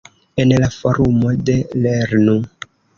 En la forumo de "lernu!